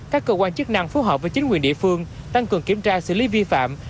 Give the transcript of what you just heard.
các cơ quan chức năng phù hợp với chính quyền địa phương tăng cường kiểm tra xử lý vi phạm